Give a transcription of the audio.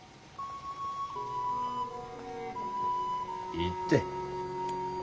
いいって。